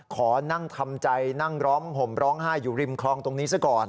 ขอนั่งทำใจนั่งร้องห่มร้องไห้อยู่ริมคลองตรงนี้ซะก่อน